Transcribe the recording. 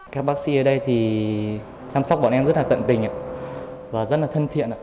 các bác sĩ ở đây thì chăm sóc bọn em rất là tận tình và rất là thân thiện